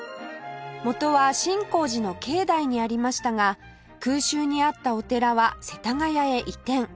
元は真光寺の境内にありましたが空襲に遭ったお寺は世田谷へ移転